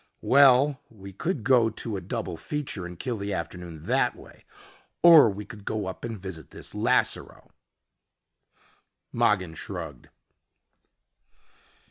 "Well, we could go to a double feature and kill the afternoon that way. Or we could go up and visit this Lasseroe." Mogin shrugged.